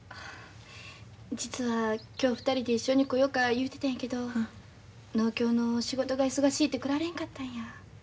実は今日２人で一緒に来よか言うてたんやけど農協の仕事が忙しいて来られんかったんや。